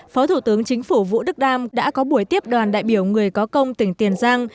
phó thủ tướng chính phủ vũ đức đam đã có buổi tiếp đoàn đại biểu người có công tỉnh tiền giang